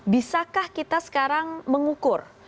bisakah kita sekarang mengukur